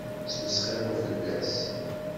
Ttmesxiṛen fell-as.